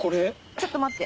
ちょっと待って。